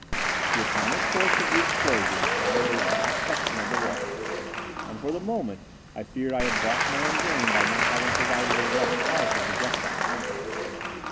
The atomic force of the explosion shattered a vast section of the wall, and for the moment I feared I had balked my own game by not having provided a less powerful projectile.